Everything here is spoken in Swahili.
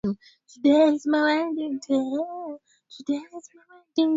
Damu yenye povupovu hutoka kinywani